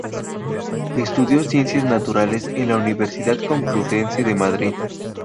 Estudió Ciencias Naturales en la Universidad Complutense de Madrid.